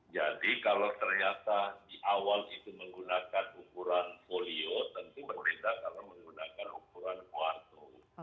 jadi kalau ternyata di awal itu menggunakan ukuran folio tentu berbeda kalau menggunakan ukuran kuarto